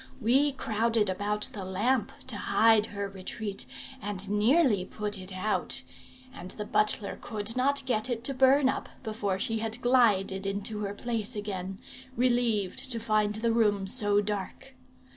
We crowded about the lamp to hide her retreat, and nearly put it out; and the butler could not get it to burn up before she had glided into her place again, relieved to find the room so dark.